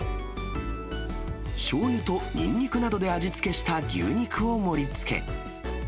しょうゆとニンニクなどで味付けした牛肉を盛りつけ。